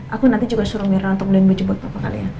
aku nanti juga suruh mirna untuk beliin baju buat bapak kali ya